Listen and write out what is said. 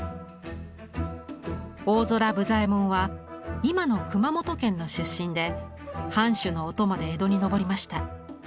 大空武左衛門は今の熊本県の出身で藩主のお供で江戸に上りました。